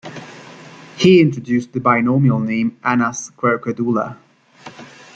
He introduced the binomial name "Anas querquedula".